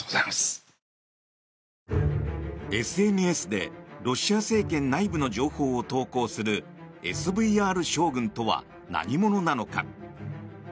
ＳＮＳでロシア政権内部の情報を投稿するＳＶＲ将軍とは何者なのか。